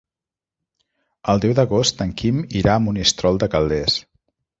El deu d'agost en Quim irà a Monistrol de Calders.